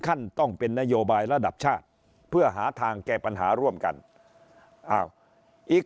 ขั้นต้องเป็นนโยบายระดับชาติเพื่อหาทางแก้ปัญหาร่วมกันอ้าวอีก